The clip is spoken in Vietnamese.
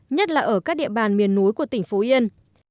nhất là ở các địa bàn miền núi của tỉnh phú yên